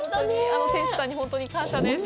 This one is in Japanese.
あの店主さんに本当に感謝です。